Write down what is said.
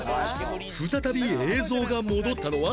再び映像が戻ったのは３０秒後